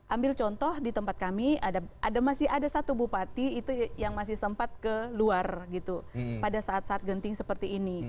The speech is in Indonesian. ambil contoh di tempat kami masih ada satu bupati itu yang masih sempat ke luar gitu pada saat saat genting seperti ini